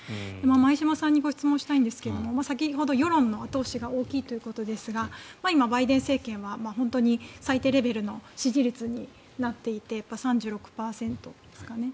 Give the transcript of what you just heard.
前嶋さんに質問したいんですが先ほど、世論の後押しが大きいということですが今、バイデン政権は本当に最低レベルの支持率になっていて３６％ですかね。